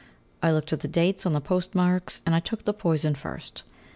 I looked at the dates on the postmarks, and I took the poison first.